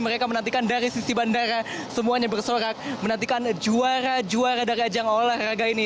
mereka menantikan dari sisi bandara semuanya bersorak menantikan juara juara dari ajang olahraga ini